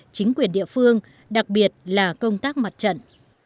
chính quyền địa phương đặc biệt là công tác mặt trận